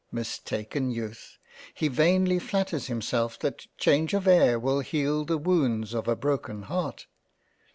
Mistaken Youth ! He vainly flatters himself that change of Air will heal the Wounds of a broken Heart